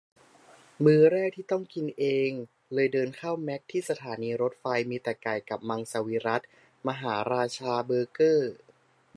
มื้อแรกที่ต้องกินเองเลยเดินเข้าแมคที่สถานีรถไฟ มีแต่ไก่ กับมังสวิรัติ มหาราชาเบอร์เกอร์